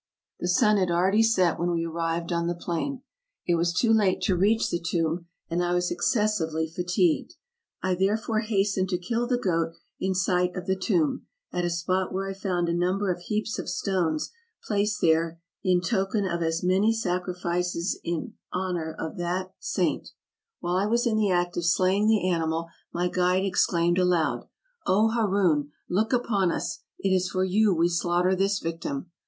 The sun had already set when we arrived on the plain. It was too late to reach the tomb, and I was excessively fatigued ; I therefore hastened to kill the goat in sight of the tomb, at a spot where I found a number of heaps of stones, placed there in token of as many sacrifices in honor of that 286 TRAVELERS AND EXPLORERS saint. While I was in the act of slaying the animal my guide exclaimed aloud, " O Haroun, look upon us! it is for you we slaughter this victim